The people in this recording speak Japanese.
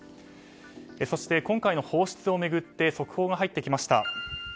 そして、今回の放出を巡って速報が入ってきました。